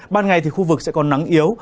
ban ngày thì khu vực sẽ còn nắng yếu